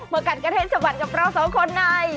มากัดกระเทศสวัสดิ์กับเราสองคนใน